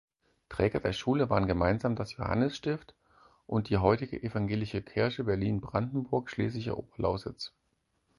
Träger der Schule waren gemeinsam das Johannesstift und die heutige Evangelische Kirche Berlin-Brandenburg-schlesische Oberlausitz.